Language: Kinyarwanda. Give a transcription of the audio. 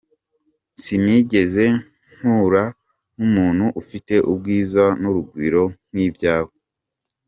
Sinigeze mpura n’umuntu ufite ubwiza n’urugwiro nk’ibyawe.